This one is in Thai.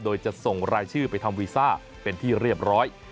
โดยจะส่งรายชื่อไปทำวีซ่าเป็นที่เรียบร้อย